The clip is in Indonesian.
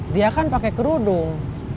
dia kan pakai kerudung